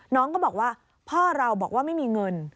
น้องก็บอกว่าพ่อเราบอกว่าไม่มีเงิน